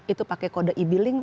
itu pakai kode e billing